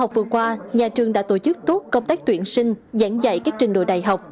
học vừa qua nhà trường đã tổ chức tốt công tác tuyển sinh giảng dạy các trình độ đại học